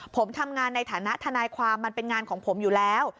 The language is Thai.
ผมทำงานในฐานะทนายความมันเป็นงานของผมอยู่แล้ว